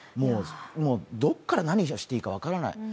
もう、どこから何をしていいか分からない。